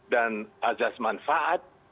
dan ajas manfaat